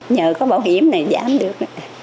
nhờ có bảo hiểm này giám được